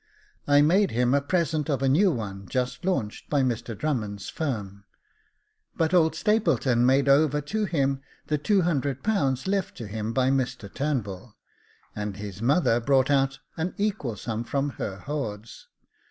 I made him a present of a new one, just launched by Mr Drummond*s firm. But old Stapleton made over to him the ;^200 left to him by Mr Turnbull, and his mother brought out an equal sum from her hoards.